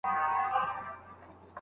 خوار نقيب ژاړي هغه خاوري زړه ژوندی غواړي